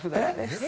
・え